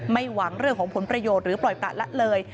หวังเรื่องของผลประโยชน์หรือปล่อยประละเลย